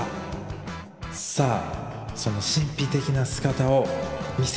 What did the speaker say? さあその神秘的な姿を見せておくれ！